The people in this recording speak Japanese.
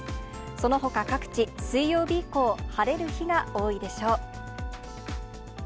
そのほか各地、水曜日以降、晴れる日が多いでしょう。